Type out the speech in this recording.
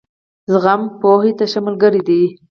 زغم، پوهې ته ښه ملګری دی.